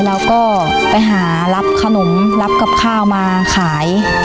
แล้วก็ไปหารับขนมรับกับข้าวมาขาย